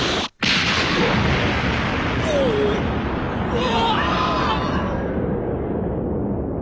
お！